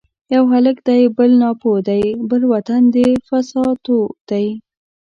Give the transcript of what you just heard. یو هلک دی بل ناپوه دی ـ بل وطن د فساتو دی